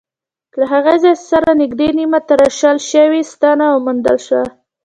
له هغه ځای سره نږدې نیمه تراشل شوې ستنه وموندل شوه.